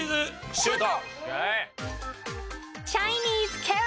シュート！